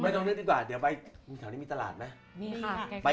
ไม่ต้องนึกนึกจริงดูหน้ากลางแล้วไป